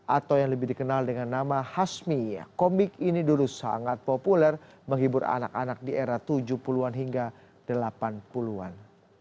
atau yang lebih dikenal dengan nama hasmi komik ini dulu sangat populer menghibur anak anak di era tujuh puluh an hingga delapan puluh an